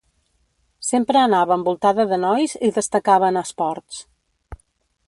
Sempre anava envoltada de nois i destacava en esports.